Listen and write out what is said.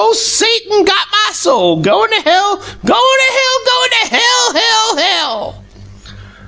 Ole Satum got my soul! Goin' to hell! Goin' to hell! Goin' to hell, hell, hell!"